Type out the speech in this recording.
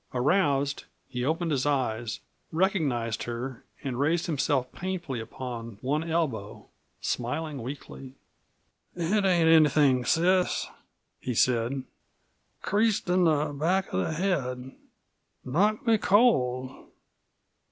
Aroused, he opened his eyes, recognized her, and raised himself painfully upon one elbow, smiling weakly. "It ain't anything, sis," he said. "Creased in the back of the head. Knocked me cold.